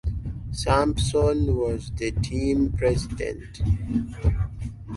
Sampson was the team president.